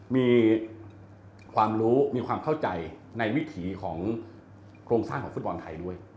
มีความรู้มีความเข้าใจในวิถีของโครงสร้างของฟุตบอลไทยด้วย